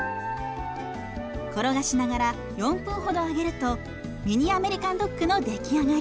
転がしながら４分ほど揚げるとミニアメリカンドッグの出来上がり。